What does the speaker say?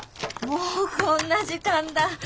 もうこんな時間だ。